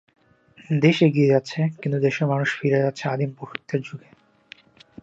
দেশ এগিয়ে যাচ্ছে, কিন্তু দেশের মানুষ ফিরে যাচ্ছে আদিম পশুত্বের যুগে।